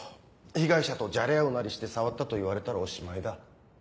被害者とじゃれ合うなりして触ったと言われたらおしまいだ。